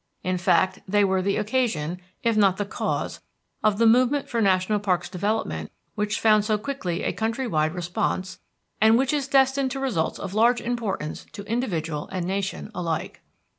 In fact, they were the occasion, if not the cause, of the movement for national parks development which found so quickly a country wide response, and which is destined to results of large importance to individual and nation alike.